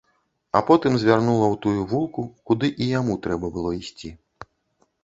А потым звярнула ў тую вулку, куды і яму трэба было ісці.